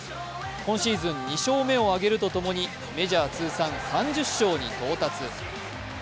今シーズン２勝目を挙げるとともにメジャー通算３０勝に到達。